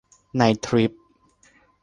ในทริป